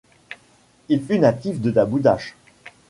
Il fut natif de Daboudacht.